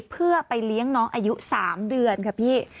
เพื่อไปเลี้ยงน้องอายุ๓เดือนค่ะพี่